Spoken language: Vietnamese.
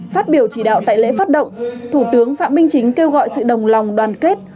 phát biểu chỉ đạo tại lễ phát động thủ tướng phạm minh chính kêu gọi sự đồng lòng đoàn kết